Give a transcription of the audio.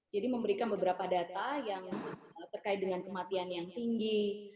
jadi memberikan beberapa data yang terkait dengan kematian yang tinggi